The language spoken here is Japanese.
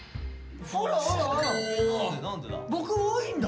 ああ僕多いんだ！